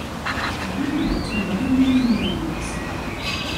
Abaana abato mbalinamu nnyo omukisa.